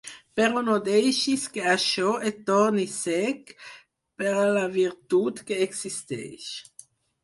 Però no deixis que això et torni cec per a la virtut que existeix